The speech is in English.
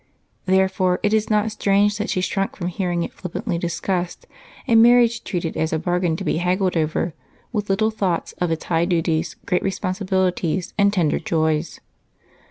Therefore, it is not strange that she shrank from hearing it flippantly discussed and marriage treated as a bargain to be haggled over, with little thought of its high duties, great responsibilities, and tender joys.